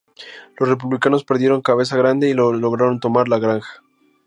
Los republicanos perdieron Cabeza Grande y no lograron tomar La Granja.